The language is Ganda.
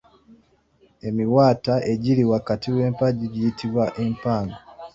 Emiwaatwa egiri wakati w’empagi giyitibwa Empago.